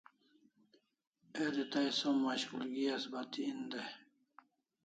El'i tai som mashkulgi as bati en dai